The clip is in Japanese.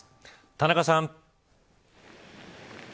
田中さん。